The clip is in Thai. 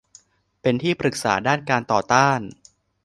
เป็นที่ปรึกษาด้านการต่อต้าน